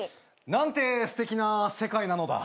何てすてきな世界なのだ。